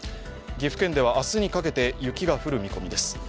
岐阜県では明日にかけて雪が降る見込みです。